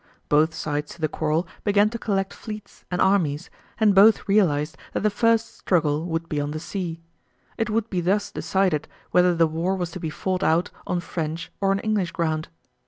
Both sides to the quarrel began to collect fleets and armies, and both realized that the first struggle would be on the sea. It would be thus decided whether the war was to be fought out on French or on English ground.